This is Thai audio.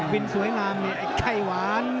บินสวยงามไข่หวาน